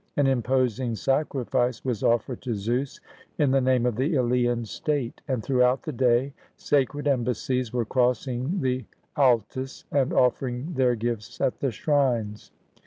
An imposing sacrifice was offered to Zeus in the name of the Elean state, and throughout the day sacred embassies were crossing the Altis and offering their gifts at the shrines.